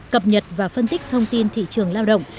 cập nhật và phân tích thông tin thị trường lao động